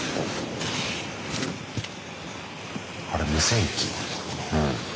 あれ無線機うん。